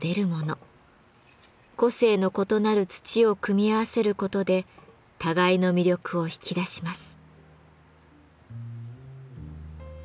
個性の異なる土を組み合わせることで互いの魅力を引き出します。